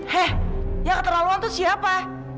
heh yang keterlaluan itu siapa